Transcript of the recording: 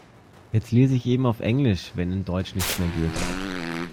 Jetzt lese ich eben auf Englisch, wenn in Deutsch nichts mehr geht.